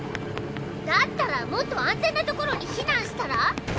だったらもっと安全なところに避難したら？